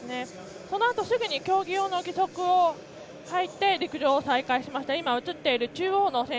そのあとすぐに競技の用の義足をはいて再開しました。